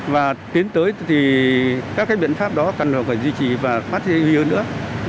và tiến tới thì các biện pháp đó cần phải duy trì và phát hiện hơn nữa